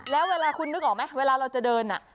แล้วเวลาคุณนึกออกไหมเวลาเราจะเดิน